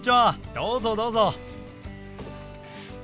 どうぞどうぞ。